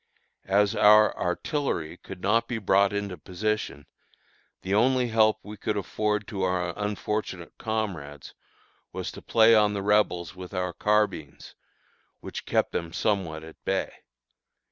As our artillery could not be brought into position, the only help we could afford to our unfortunate comrades was to play on the Rebels with our carbines, which kept them somewhat at bay.